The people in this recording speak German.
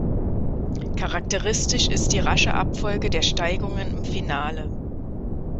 Charakteristisch ist die rasche Abfolge der Steigungen im Finale.